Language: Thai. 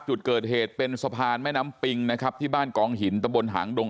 จุดเกิดเหตุเป็นสะพานแม่น้ำปิงนะครับที่บ้านกองหินตะบนหางดง